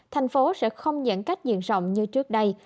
thành phố sẽ không nhận cách diện rộng như trước đây